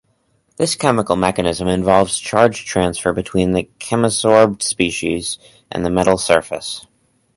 This chemical mechanism involves charge transfer between the chemisorbed species and the metal surface.